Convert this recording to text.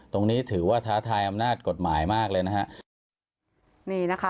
ตรงนี้ถือว่าท้าทายอำนาจกฎหมายมากเลยนะฮะนี่นะคะ